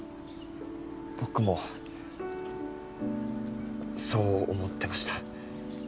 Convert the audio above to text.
僕もそう思ってました。